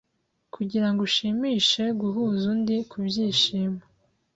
kugira ngo ushimishe Guhuza undi ku byishimo